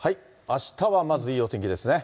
あしたはまず、いいお天気ですね。